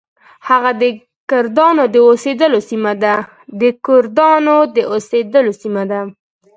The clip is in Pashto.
هغه د کردانو د اوسیدلو سیمه ده.